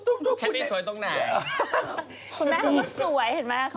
ฉันไม่สวยต้องนาน